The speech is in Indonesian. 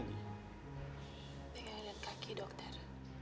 pinggang dan kaki dokter